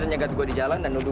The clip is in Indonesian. saya cuma mau ngelindungin dia